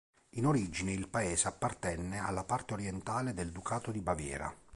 In origine il paese appartenne alla parte orientale del Ducato di Baviera.